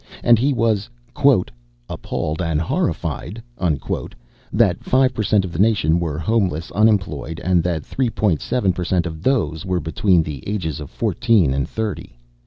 And he was, quote, appalled and horrified, unquote, that five percent of the nation were homeless unemployed and that three point seven percent of those were between the ages of fourteen and thirty.